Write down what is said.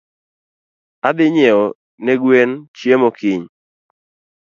Adhi nyieo ne gwen chiemo kiny.